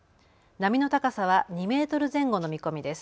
波の高さは２メートル前後の見込みです。